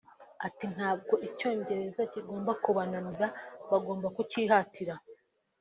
Ati“Ntabwo Icyongereza kigomba kubananira bagomba kucyihatira